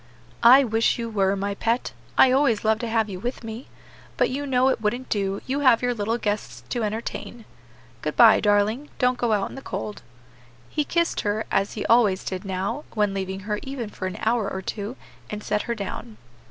"I wish you were, my pet; I always love to have you with me; but you know it wouldn't do; you have your little guests to entertain. Good by, darling. Don't go out in the cold." He kissed her, as he always did now, when leaving her even for an hour or two, and set her down.